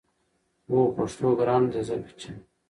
هو پښتو ګرانه ده! ځکه چې